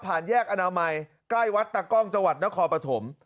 แยกอนามัยใกล้วัดตะกล้องจังหวัดนครปฐม